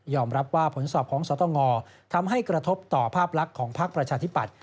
รับว่าผลสอบของสตงทำให้กระทบต่อภาพลักษณ์ของพักประชาธิปัตย